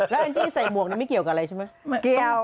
แล้วอันนี้ใส่หมวกไม่เกี่ยวกับอะไรใช่ไหม